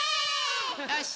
よし！